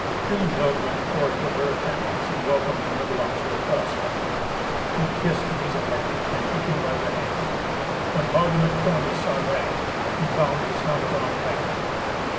Kriemhild went forth with her attendants and welcomed the Nibelungs with false heart. She kissed Giselher and took him by the hand. When Hagen of Trony saw that, he bound his helmet on tighter.